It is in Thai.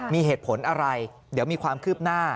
มีเหตุผลอะไรเดี๋ยวมีความคืบหน้า